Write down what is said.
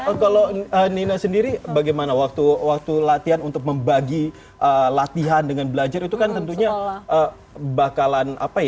oh kalau nina sendiri bagaimana waktu latihan untuk membagi latihan dengan belajar itu kan tentunya bakalan apa ya